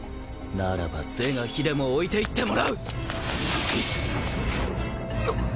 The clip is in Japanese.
ならば是が非でも置いていってもらう！あっ！？